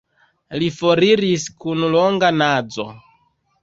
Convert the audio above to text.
Li foriris kun longa nazo.